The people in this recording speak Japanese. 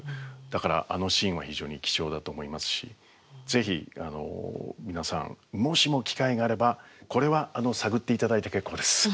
だからあのシーンは非常に貴重だと思いますしぜひ皆さんもしも機会があればこれは探って頂いて結構です。